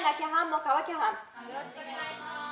よろしくお願いします。